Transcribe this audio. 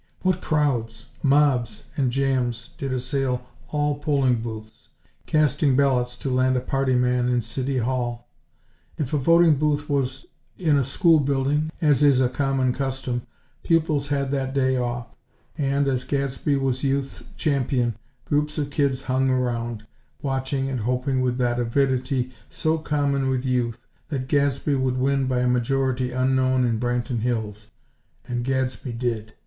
What crowds, mobs and jams did assail all polling booths, casting ballots to land a party man in City Hall! If a voting booth was in a school building, as is a common custom pupils had that day off; and, as Gadsby was Youth's champion, groups of kids hung around, watching and hoping with that avidity so common with youth, that Gadsby would win by a majority unknown in Branton Hills. And Gadsby did!